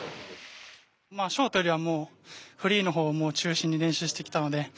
ショートよりはフリーの方を中心に練習してきたので。